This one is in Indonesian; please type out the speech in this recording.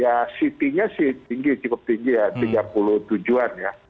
ya sitinya sih tinggi cukup tinggi ya tiga puluh tujuh an ya